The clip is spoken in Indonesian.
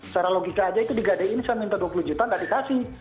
secara logika aja itu digadein saya minta dua puluh juta nggak dikasih